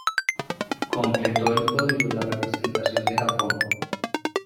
Completó el podio la representación de Japón.